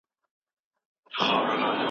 هغه پخپله اوږه ډېري مڼې نه یوړې.